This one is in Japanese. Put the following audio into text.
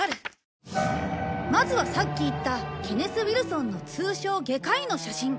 まずはさっき言ったケネス・ウィルソンの通称「外科医の写真」。